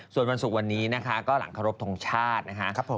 ส่วนวันศุกร์วันนี้นะคะก็หลังเคารพทงชาตินะคะ